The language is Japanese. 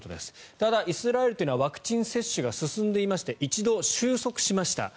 ただ、イスラエルというのはワクチン接種が進んでいまして一度、収束しました。